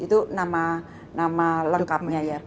itu nama lengkapnya ya